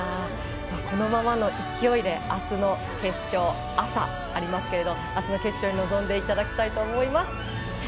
このままの勢いであすの決勝、朝ありますけれどあすの決勝に臨んでいただきたいと思います。